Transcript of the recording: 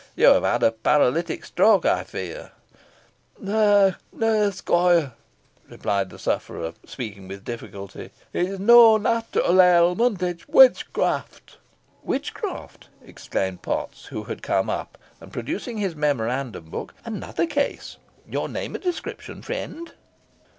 "You have had a paralytic stroke, I fear." "Nah nah squoire," replied the sufferer, speaking with difficulty, "it's neaw nat'ral ailment it's witchcraft." "Witchcraft!" exclaimed Potts, who had come up, and producing his memorandum book. "Another case. Your name and description, friend?"